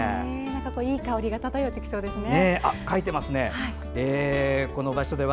いい香りが漂ってきそうですね。